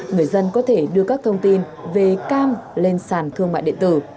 người dân có thể đưa các thông tin về cam lên sàn thương mại điện tử